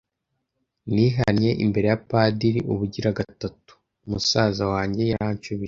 nihannye imbere ya padiri ubugira gatatu. Musaza wanjye yaranshubije